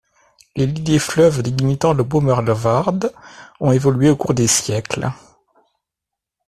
Les lits des fleuves délimitant le Bommelerwaard ont évolué au cours des siècles.